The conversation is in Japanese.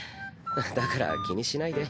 だから気にしないで。